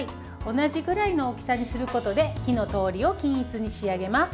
同じぐらいの大きさにすることで火の通りを均一に仕上げます。